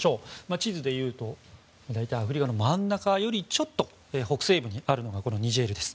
地図でいうと大体、アフリカの真ん中よりちょっと北西部にあるのがニジェールです。